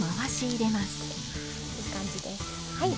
いい感じです。